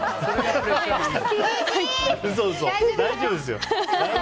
嘘嘘、大丈夫ですよ。